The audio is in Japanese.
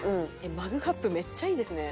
マグカップめっちゃいいですね。